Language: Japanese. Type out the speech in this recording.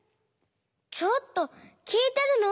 ちょっときいてるの？